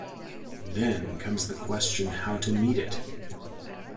Then comes the question how to meet it.